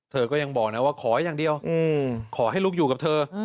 เธอก็ยังบอกนะว่าขออย่างเดียวขอให้ลูกอยู่กับเธอ